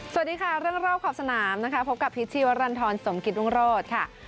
สวัสดีค่ะเรื่องรอบขอบสนามนะคะพบกับพิษชีวรรณฑรสมกิตรุงโรธค่ะ